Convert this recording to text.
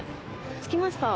着きました。